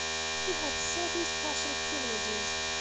He had certain special privileges.